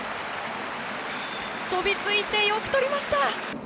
飛びついて、よくとりました。